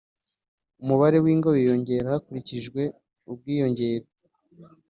Umubare w ingo wiyongera hakurikijwe ubwiyongere